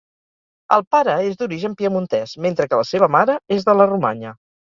El pare és d'origen piemontès, mentre que la seva mare és de la Romanya.